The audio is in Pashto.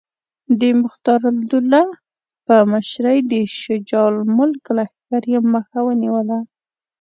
د مختارالدوله په مشرۍ د شجاع الملک لښکر یې مخه ونیوله.